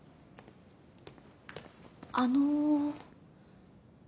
あの。